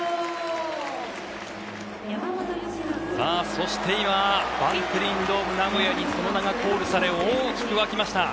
そして今バンテリンドームナゴヤにその名がコールされ大きく沸きました。